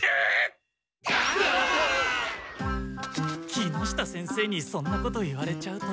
木下先生にそんなこと言われちゃうと。